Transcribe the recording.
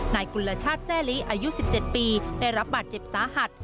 กุลชาติแซ่ลิอายุ๑๗ปีได้รับบาดเจ็บสาหัส